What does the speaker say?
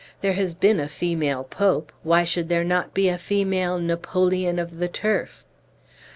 There has been a female pope, why should there not be a female 'Napoleon of the Turf?'"